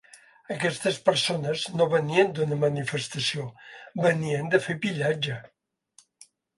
Aquestes persones no venien d’una manifestació, venien de fer pillatge.